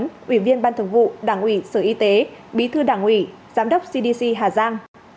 chỉ huy viên ban thực vụ đảng ủy sở y tế bí thư đảng ủy giám đốc cdc hà giang